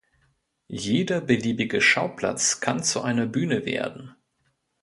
Jeder beliebige Schauplatz kann zu einer Bühne werden.